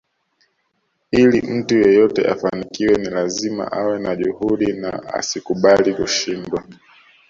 Ili mtu yeyote afanikiwe ni lazima awe na juhudi na asikubali kushindwa